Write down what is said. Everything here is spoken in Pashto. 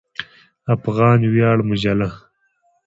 افغان ویاړ مجله